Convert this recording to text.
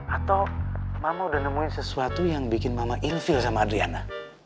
atau mama udah nemuin sesuatu yang bikin mama infill sama adriana